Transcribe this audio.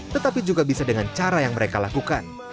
tetapi juga bisa dengan cara yang mereka lakukan